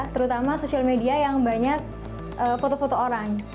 terutama sosial media yang banyak foto foto orang